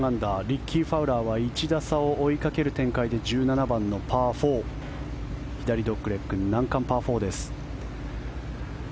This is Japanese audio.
リッキー・ファウラーは１打差を追いかける展開で１７番のパー４左ドッグレッグ難関パー４です。